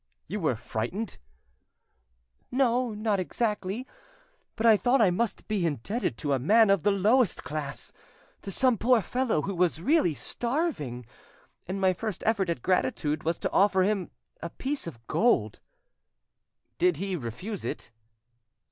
"You were frightened?" "No, not exactly; but I thought I must be indebted to a man of the lowest class, to some poor fellow who was really starving, and my first effort at gratitude was to offer him a piece of gold." "Did he refuse it?"